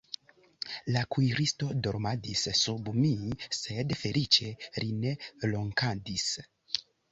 La kuiristo dormadis sub mi, sed feliĉe li ne ronkadis.